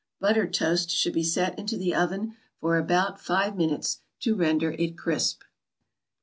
Buttered toast should be set into the oven for about five minutes to render it crisp.